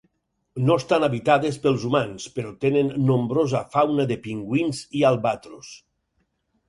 No estan habitades pels humans però tenen nombrosa fauna de pingüins i albatros.